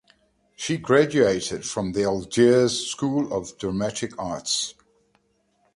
She graduated from the Algiers School of Dramatic Arts.